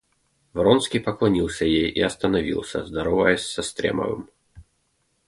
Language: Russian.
Вронский поклонился ей и остановился, здороваясь со Стремовым.